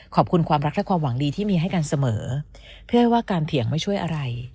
ขอบคุณความรักและความหวังดีที่มีให้กันเสมอพี่อ้อยว่าการเถียงไม่ช่วยอะไร